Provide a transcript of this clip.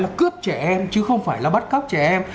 là cướp trẻ em chứ không phải là bắt cóc trẻ em